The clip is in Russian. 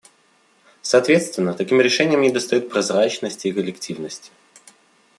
Соответственно, таким решениям недостает прозрачности и коллективности.